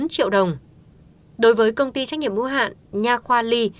bốn triệu đồng đối với công ty trách nhiệm mưu hạn nha khoa ly